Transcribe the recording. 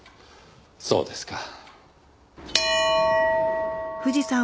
そうですか。